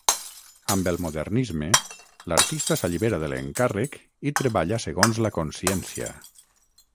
Amb el modernisme, l'artista s'allibera de l'encàrrec i treballa segons la consciència.